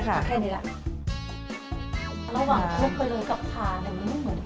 ระหว่างคลุกไปเลยกับทานมันไม่เหมือนกัน